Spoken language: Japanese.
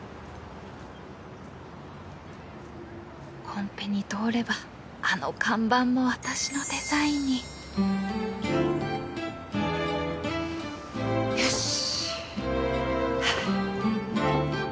コンペに通ればあの看板も私のデザインに！よし！